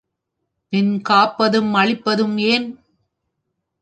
பின் காப்பதும் அழிப்பதும் ஏன்?